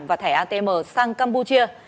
và thẻ atm sang campuchia